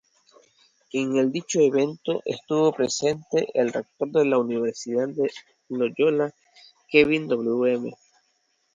En dicho evento estuvo presente el rector de la Universidad de Loyola, Kevin Wm.